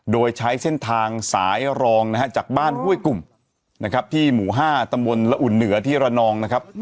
โดยใช้เส้นทางสายรองจากบ้านห้วยกลุ่มที่หมู่๕ตมละอุ่นเหนือที่ระนอง